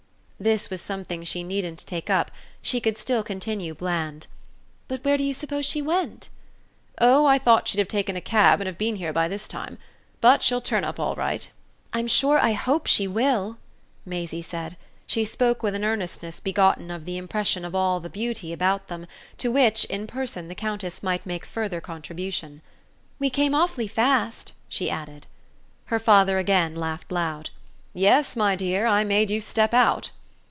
This was something she needn't take up; she could still continue bland. "But where do you suppose she went?" "Oh I thought she'd have taken a cab and have been here by this time. But she'll turn up all right." "I'm sure I HOPE she will," Maisie said; she spoke with an earnestness begotten of the impression of all the beauty about them, to which, in person, the Countess might make further contribution. "We came awfully fast," she added. Her father again laughed loud. "Yes, my dear, I made you step out!"